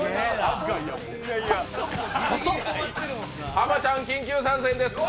濱ちゃん、緊急参戦です。